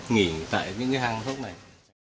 nghỉ tại hang khúc này